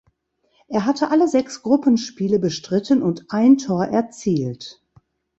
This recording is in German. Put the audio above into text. Er hatte alle sechs Gruppenspiele bestritten und ein Tor erzielt.